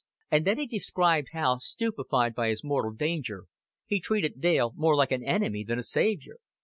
And then he described how, stupefied by his mortal danger, he treated Dale more like an enemy than a savior.